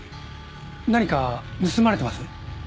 何か盗まれてます？